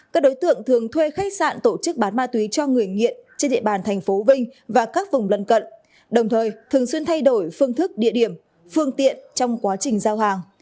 các đối tượng thường thuê khách sạn tổ chức bán ma túy cho người nghiện trên địa bàn tp vinh và các vùng lân cận đồng thời thường xuyên thay đổi phương thức địa điểm phương tiện trong quá trình giao hàng